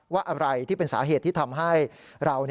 อะไรที่เป็นสาเหตุที่ทำให้เรา